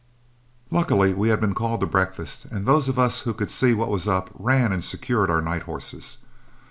Luckily we had been called to breakfast, and those of us who could see what was up ran and secured our night horses.